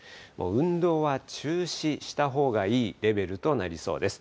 運動は中止したほうがいいレベルとなりそうです。